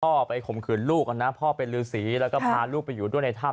พ่อไปข่มขืนลูกนะพ่อเป็นฤษีแล้วก็พาลูกไปอยู่ด้วยในถ้ำ